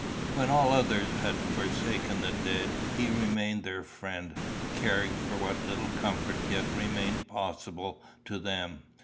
When all others had forsaken the dead, he remained their friend, caring for what little comfort yet remained possible to them.